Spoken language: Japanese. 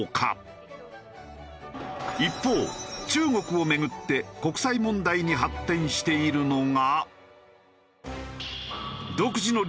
一方中国をめぐって国際問題に発展しているのが。